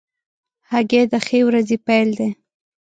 هګۍ د ښې ورځې پیل دی.